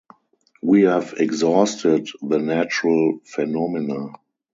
We have exhausted the natural phenomena.